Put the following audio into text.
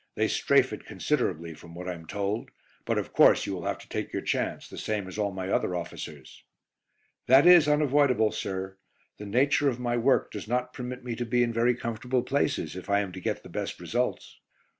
They 'strafe' it considerably, from what I am told; but, of course, you will have to take your chance, the same as all my other officers." "That is unavoidable, sir. The nature of my work does not permit me to be in very comfortable places, if I am to get the best results."